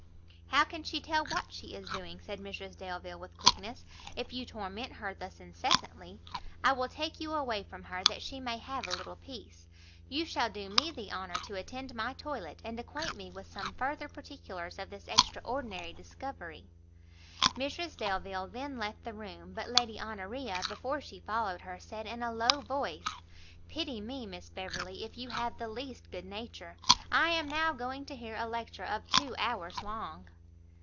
"How can she tell what she is doing," said Mrs Delvile, with quickness, "if you torment her thus incessantly? I will take you away from her, that she may have a little peace. You shall do me the honour to attend my toilette, and acquaint me with some further particulars of this extraordinary discovery." Mrs Delvile then left the room, but Lady Honoria, before she followed her, said in a low voice "Pity me, Miss Beverley, if you have the least good nature! I am now going to hear a lecture of two hours long!"